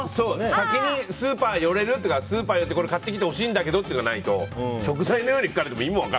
先に、スーパー寄れる？とかスーパー寄ってこれ買ってきてほしいんだけどっていうのがないと食材だけ書かれても。